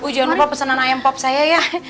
oh jangan lupa pesanan ayam pop saya ya